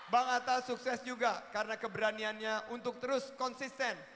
bang atta sukses juga karena keberaniannya untuk terus konsisten